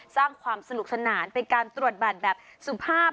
สร้างความสนุกสนานเป็นการตรวจบัตรแบบสุภาพ